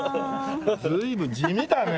随分地味だね！